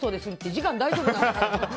時間大丈夫ですか？